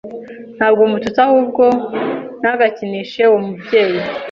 Ntabwo Mututse Ahubwo Ntagakinishe Uwo Mubyeyi